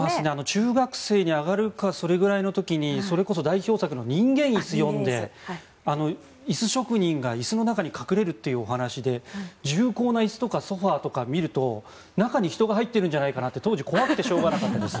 中学生に上がるかそれくらいの時にそれこそ代表作の「人間椅子」を読んで椅子職人が椅子の中に隠れるという話で重厚な椅子とかソファとかを見ると中に人が入っているんじゃないかって当時怖くてしょうがなかったです。